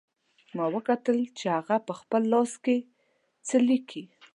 ما وکتل چې هغه په خپل لاس څه لیکي